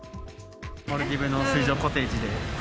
モルディブの水上コテージで。